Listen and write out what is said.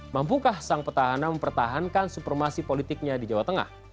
mampukah sang petahana mempertahankan supremasi politiknya di jawa tengah